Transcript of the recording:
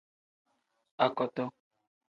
Akoto.